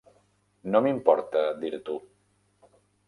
No m'importa dir-t'ho.